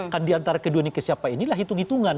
kan diantara kedua ini ke siapa inilah hitung hitungan